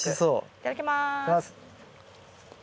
いただきます。